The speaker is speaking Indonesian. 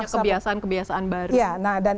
kebiasaan kebiasaan baru nah dan